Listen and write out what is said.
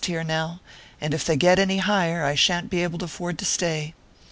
here just now, and if they get any higher, I shan t be able to afford to stay.